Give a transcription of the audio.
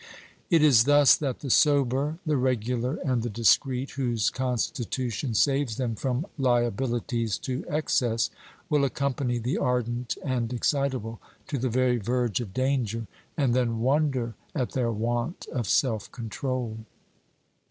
It is thus that the sober, the regular, and the discreet, whose constitution saves them from liabilities to excess, will accompany the ardent and excitable to the very verge of danger, and then wonder at their want of self control.